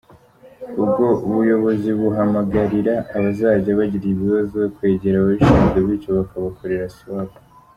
Ubwo buyobozi buhamagarira abazajya bagira ikibazo, kwegera ababishinzwe bityo bakabakorera “Siwapu”.